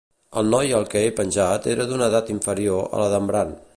El noi al que he penjat era d'una edat inferior a la d'en Bran.